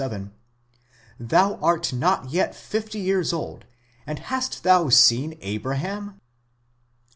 57: Zhou art not yet fifty years old, and hast thou seen Abrahan